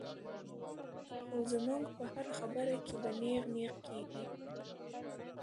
خو زمونږ پۀ هره خبره کښې به نېغ نېغ کيږي -